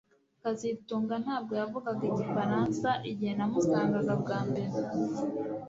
kazitunga ntabwo yavugaga igifaransa igihe namusangaga bwa mbere